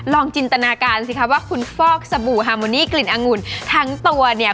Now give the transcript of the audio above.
จินตนาการสิคะว่าคุณฟอกสบู่ฮาโมนี่กลิ่นองุ่นทั้งตัวเนี่ย